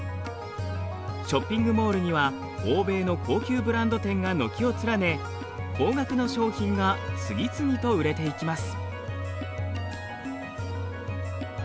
ショッピングモールには欧米の高級ブランド店が軒を連ね高額の商品が次々と売れていきます。